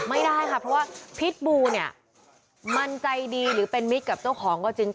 ไม่ได้ค่ะเพราะว่าพิษบูเนี่ยมันใจดีหรือเป็นมิตรกับเจ้าของก็จริง